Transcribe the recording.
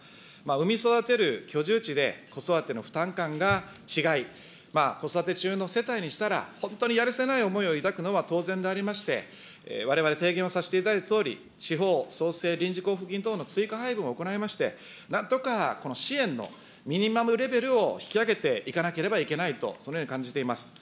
産み育てる居住地で、子育ての負担感が違い、子育て中の世帯にしたら、本当にやるせない思いを抱くのは当然でありまして、われわれ、提言をさせていただいたとおり、地方創生臨時交付金等の追加配分を行いまして、なんとか、この支援のミニマムレベルを引き上げていかなければいけないと、そのように感じています。